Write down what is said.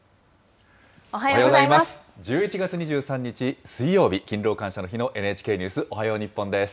１１月２３日水曜日、勤労感謝の日のＮＨＫニュースおはよう日本です。